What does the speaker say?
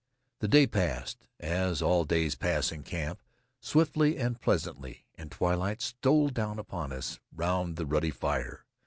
The day passed, as all days pass in camp, swiftly and pleasantly, and twilight stole down upon us round the ruddy fire.